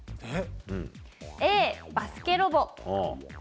Ａ、バスケロボ。